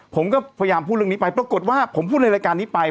ผมก็พยายามพูดเรื่องนี้ไปปรากฏว่าผมพูดในรายการนี้ไป